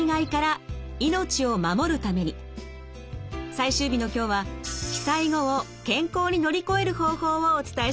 最終日の今日は被災後を健康に乗り越える方法をお伝えします。